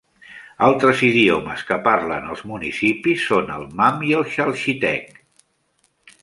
Altres idiomes que parlen als municipis són el Mam i el Chalchitek.